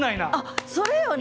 それよね！